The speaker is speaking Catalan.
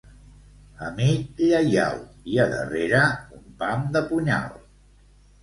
Amic lleial; i a darrere, un pam de punyal.